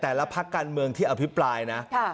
แต่ละพักกันเมืองที่อภิปรายนะ